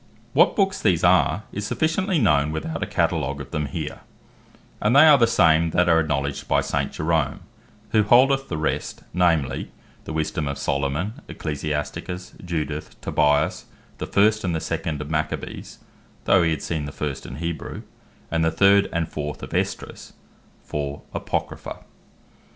What Books these are, is sufficiently known, without a Catalogue of them here; and they are the same that are acknowledged by St. Jerome, who holdeth the rest, namely, the Wisdome of Solomon, Ecclesiasticus, Judith, Tobias, the first and second of Maccabees, (though he had seen the first in Hebrew) and the third and fourth of Esdras, for Apocrypha.